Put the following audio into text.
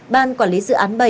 ban quản lý dự án bảy